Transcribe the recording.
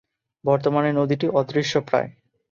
বর্তমানে নদীটি অদৃশ্যপ্রায়।